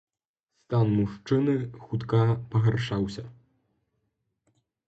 Стан мужчыны хутка пагаршаўся.